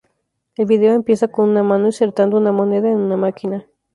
El video empieza con una mano insertando una moneda en una máquina.